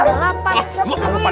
bapak enggak lapar